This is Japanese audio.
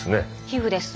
皮膚です。